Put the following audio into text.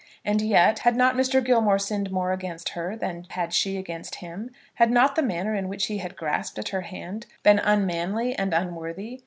And yet, had not Mr. Gilmore sinned more against her than had she against him? Had not the manner in which he had grasped at her hand been unmanly and unworthy?